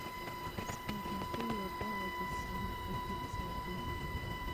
سپوږمکۍ اوبه او سمندري بوټي څاري.